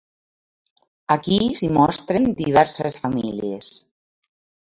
Aquí s'hi mostren diverses famílies.